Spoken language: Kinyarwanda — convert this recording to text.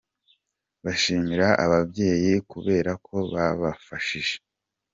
bashimira ababyeyi kubera ko babafashije.